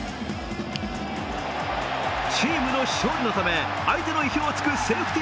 チームの勝利のため相手の意表を突くセーフティ